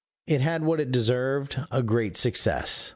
It had what it deserved, a great success.